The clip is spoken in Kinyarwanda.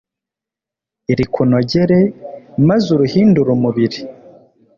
rikunogere, maze urihindur'umubiri